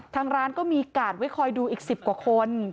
ทางร้านก็มีกาดไว้คอยดูอีก๑๐กว่าคน